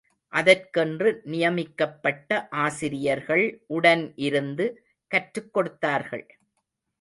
அதற்கென்று நியமிக்கப்பட்ட ஆசிரியர்கள் உடன் இருந்து கற்றுக் கொடுத்தார்கள்.